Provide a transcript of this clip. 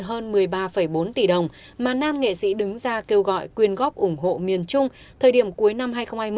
hơn một mươi ba bốn tỷ đồng mà nam nghệ sĩ đứng ra kêu gọi quyên góp ủng hộ miền trung thời điểm cuối năm hai nghìn hai mươi